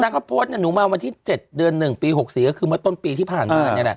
เขาโพสต์หนูมาวันที่๗เดือน๑ปี๖๔ก็คือเมื่อต้นปีที่ผ่านมานี่แหละ